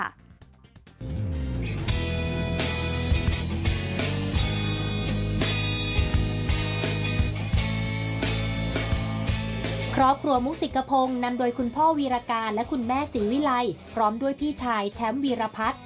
ครอบครัวมุษย์สิกพงษ์นำโดยคุณพ่อวีรกาและคุณแม่สีวิไลพร้อมด้วยพี่ชายแชมพ์วีรพัฒน์